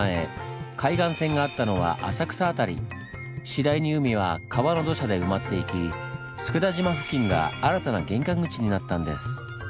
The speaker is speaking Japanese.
次第に海は川の土砂で埋まっていき佃島付近が新たな玄関口になったんです。